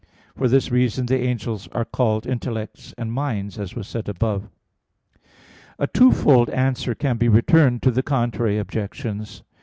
For this reason the angels are called "intellects" and "minds," as was said above (A. 3, ad 1). A twofold answer can be returned to the contrary objections.